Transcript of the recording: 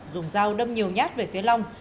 dùng dao đâm nhiều nhát về phía long